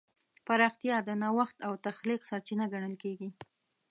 پراختیا د نوښت او تخلیق سرچینه ګڼل کېږي.